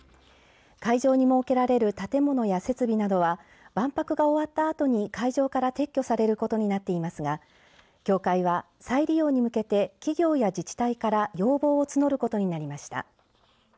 会場に設けられる建物や設備などは万博が終わったあとに会場から撤去されることになっていますが協会は再利用に向けて企業や自治体から要望を募ることになりました。